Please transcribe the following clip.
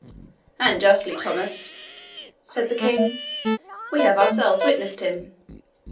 "And justly, Thomas," said the King. "We have ourselves witnessed him.